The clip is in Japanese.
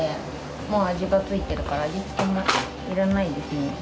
もう味がついてるから味付けもいらないですね。